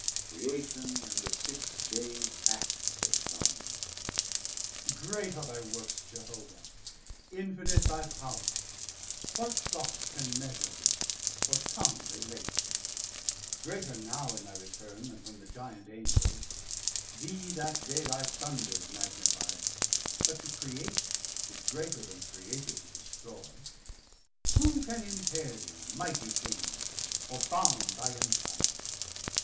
600 Creation and the Six dayes acts they sung, Great are thy works, Jehovah, infinite Thy power; what thought can measure thee or tongue Relate thee; greater now in thy return Then from the Giant Angels; thee that day Thy Thunders magnifi'd; but to create Is greater then created to destroy. Who can impair thee, mighty King, or bound Thy Empire?